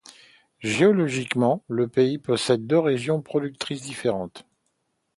Géologiquement, le pays possèdent deux régions productrices différentes.